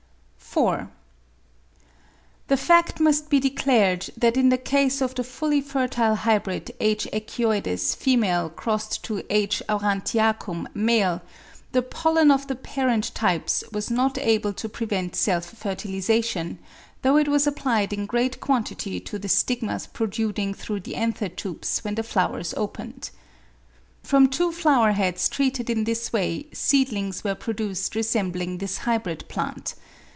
4. The fact must be declared that in the case of the fully fertile hybrid H. echioides $ x H. aurantiacum $ the pollen of the parent types was not able to prevent self fertilisation, though it was applied in great quantity to the stigmas protruding through the anther tubes when the flowers opened. From two flower heads treated in this way seedlings were produced resembling this hybrid plant.